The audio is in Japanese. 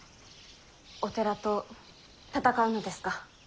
お寺と戦うのですか。